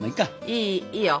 いいいいよ。